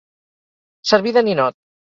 Servir de ninot.